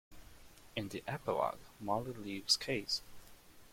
In the epilogue, Molly leaves Case.